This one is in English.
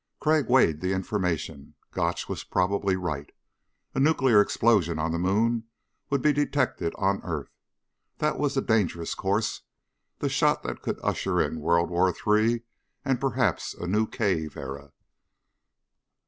Crag weighed the information. Gotch was probably right. A nuclear explosion on the moon would be detected on earth. That was the dangerous course the shot that could usher in World War III and perhaps a new cave era.